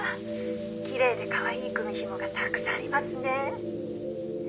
きれいでかわいい組紐がたくさんありますね」